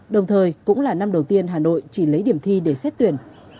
đồng thời cũng là năm đầu tiên hà nội chỉ lấy điểm thi để xét tuyển